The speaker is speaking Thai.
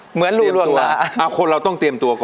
เหมือนรู้โรงระ